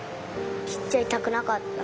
切っちゃいたくなかった。